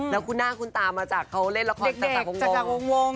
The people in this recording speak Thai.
แล้วคุณหน้าคุณตามาจากเขาเล่นละครจากวง